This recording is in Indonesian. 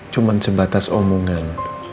cuman sebatas omongan